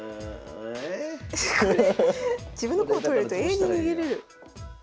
自分の駒取れると永遠に逃げれる。